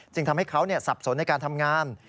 ทำให้เขาสับสนในการทำงาน